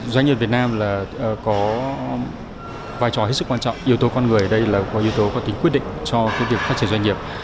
doanh nhân việt nam có vai trò rất quan trọng yếu tố con người yếu tố có tính quyết định